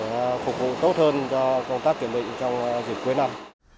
để phục vụ tốt hơn cho công tác kiểm định trong dịp cuối năm